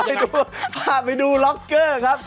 เออเอาไปดูล็อกเกอร์ครับ